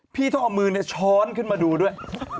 พี่ต้องเอามือช้อนขึ้นมาดูด้วย